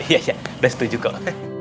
iya chef udah setuju kok